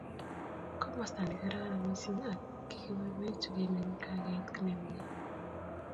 Komasta ne kararan mising ak kikiboiboitu kengen kakeit nemie